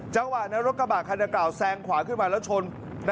จังหวะนั้นรถกระบะคันเก่าแซงขวาขึ้นมาแล้วชน